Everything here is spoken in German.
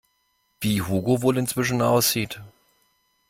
Wie Hugo wohl inzwischen aussieht?